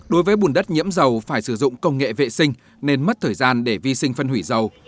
đối với bùn đất nhiễm dầu phải sử dụng công nghệ vệ sinh nên mất thời gian để vi sinh phân hủy dầu